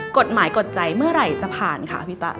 กฎหมายกฎใจเมื่อไหร่จะผ่านค่ะพี่ตะ